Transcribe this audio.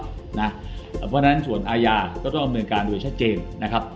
เพราะฉะนั้นส่วนอาญาก็ต้องดำเนินการโดยชัดเจนนะครับ